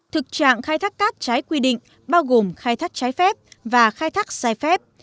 thực trạng khai thác cát trái quy định bao gồm khai thác trái phép và khai thác sai phép